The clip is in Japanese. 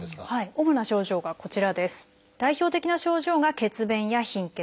主な症状がこちらです。